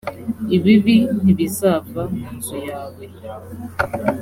ibibi ntibizava mu nzu yawe